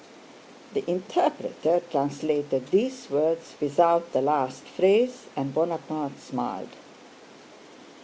The interpreter translated these words without the last phrase, and Bonaparte smiled.